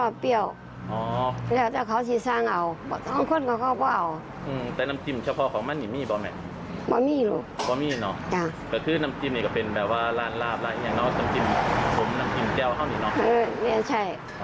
เดี๋ยวเอาข้าวหนีนอกเหรอครับเนี่ยใช่